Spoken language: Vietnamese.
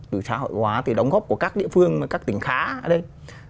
từ xã hội hóa thì đóng góp của các địa phương các tỉnh khá ở đây